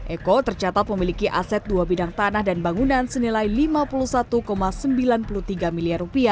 eko tercatat memiliki aset dua bidang tanah dan bangunan senilai rp lima puluh satu sembilan puluh tiga miliar